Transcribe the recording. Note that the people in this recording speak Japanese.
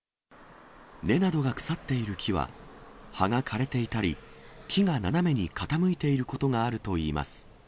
根などが腐っている木は、葉が枯れていたり、木が斜めに傾いていることがあるといいます。